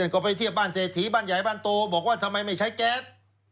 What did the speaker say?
ก็ไปเทียบบ้านเศรษฐีบ้านใหญ่บ้านโตบอกว่าทำไมไม่ใช้แก๊ส